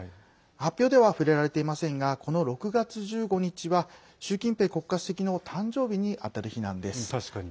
発表では触れられていませんがこの６月１５日は習近平国家主席の誕生日にあたる日なんです。